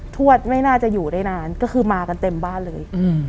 ทวดไม่น่าจะอยู่ได้นานก็คือมากันเต็มบ้านเลย